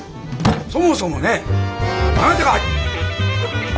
そもそもねあなたが。